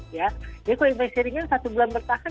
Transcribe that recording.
ya kalau infeksinya ringan satu bulan bertahan